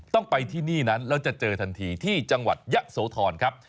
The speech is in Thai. ต้องไปที่นี่นั้นแล้วจะเจอทันทีที่จังหวัดยะโสธรครับ